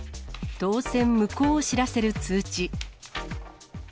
当選無効を知らせる通知。